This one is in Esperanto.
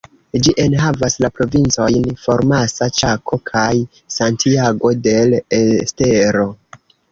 Ĝi enhavas la provincojn Formosa, Ĉako, kaj Santiago del Estero.